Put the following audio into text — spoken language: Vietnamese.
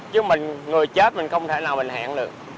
chứ mình người chết mình không thể nào mình hẹn được